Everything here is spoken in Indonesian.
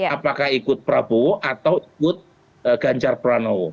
apakah ikut prabowo atau ikut ganjar pranowo